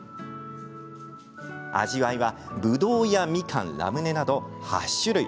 味わいは、ぶどうやみかんラムネなど８種類。